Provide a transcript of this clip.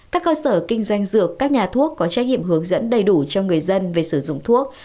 các cơ sở kinh doanh dược các nhà thuốc có trách nhiệm hướng dẫn đầy đủ cho người dân về sử dụng thuốc